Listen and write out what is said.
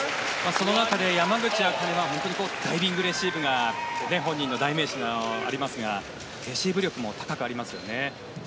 その中で、山口茜はダイビングレシーブが本人の代名詞でありますがレシーブ力も高いですよね。